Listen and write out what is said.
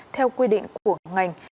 theo quy định của ngành